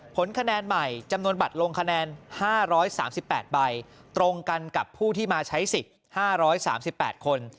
ผลคะแนนใหม่จำนวนบัตรลงคะแนน๕๓๘ใบตรงกันกับผู้ที่มาใช้สิทธิ์๕๓๘คน